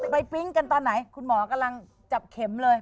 ปิ๊งกันตอนไหนคุณหมอกำลังจับเข็มเลย